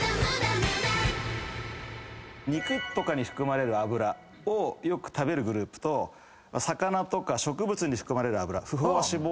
肉とかに含まれる脂をよく食べるグループと魚とか植物に含まれる脂。